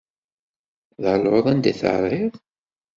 D aluḍ anda i terriḍ.